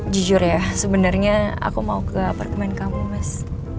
jujur ya sebenarnya aku mau ke apartemen kamu mas